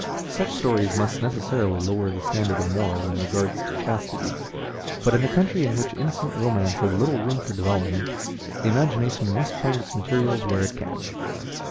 Such stories must necessarily lower the standard of morals in regard to chastity, but in a country in which innocent romance has little room for development, the imagination must find its materials where it can.